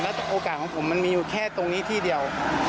โอกาสของผมมันมีอยู่แค่ตรงนี้ที่เดียว